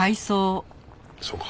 そうか？